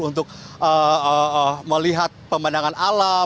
untuk melihat pemandangan alam